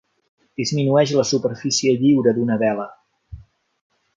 Disminueix la superfície lliure d'una vela.